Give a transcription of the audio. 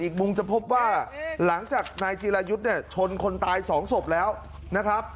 อีกมุมจะพบว่าหลังจากนายจีรายุทธ์เนี่ยชนคนตายสองศพแล้วนะครับ